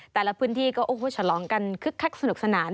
แต่ละพื้นที่ก็โอ้โฮชะลองกันคักสนุกสนาน